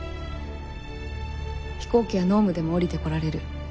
飛行機は濃霧でも降りてこられる。